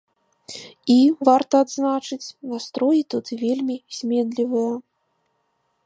І, варта адзначыць, настроі тут вельмі зменлівыя.